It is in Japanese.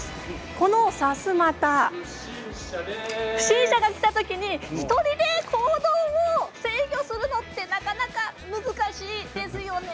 このさすまた不審者が来た時に１人で行動を制御するのはなかなか難しいですよね。